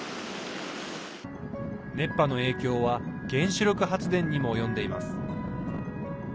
熱波の影響は原子力発電にも及んでいます。